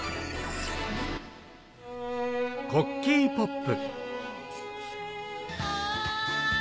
コッキーポップ。